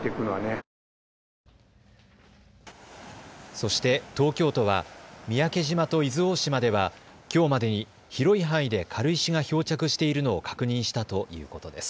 そして東京都は三宅島と伊豆大島では、きょうまでに広い範囲で軽石が漂着しているのを確認したということです。